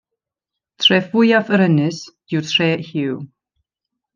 Tref fwyaf yr ynys yw Tre Huw.